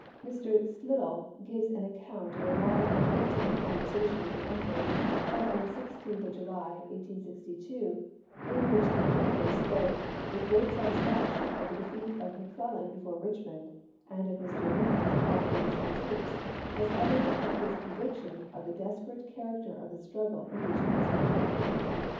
Mr. Slidell gives an account of a long and intimate conversation with the Emperor, held on the 16th of July, 1862, in which the Em peror spoke with great satisfaction of the defeat of McClellan before Richmond, and of Mr. Lincoln's call for additional troops as evidence of his convic tion of the desperate character of the struggle in which he was engaged.